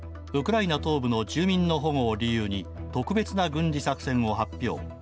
ウクライナ東部の住民の保護を理由に「特別な軍事作戦」を発表。